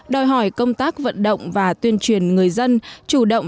đòi hỏi công tác vận động và tuyên truyền người dân